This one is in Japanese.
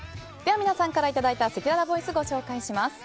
皆さんからいただいたせきららボイスご紹介します。